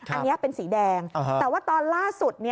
อันนี้เป็นสีแดงแต่ว่าตอนล่าสุด